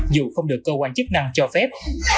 dù không được cơ quan chức năng cho phép